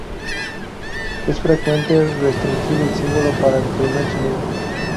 Es frecuente restringir el símbolo para el primer sonido.